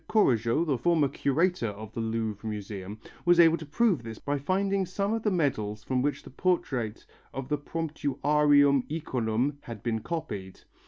Courajod, the former curator of the Louvre Museum, was able to prove this by finding some of the medals from which the portraits of the Promptuarium iconum had been copied.